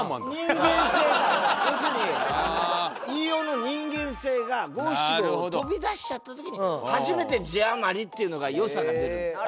人間性が要するに飯尾の人間性が５７５を飛び出しちゃった時に初めて字余りっていうのが良さが出る。